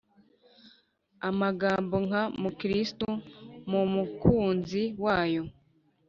Amagambo nka "muri Kristo," "mu Mukunzi wayo,"